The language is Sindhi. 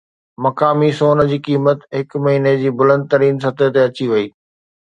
مقامي سون جي قيمت هڪ مهيني جي بلند ترين سطح تي اچي وئي